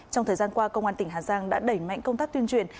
trong thời gian qua công an tỉnh hà giang đã đẩy mạnh công tác tuyên truyền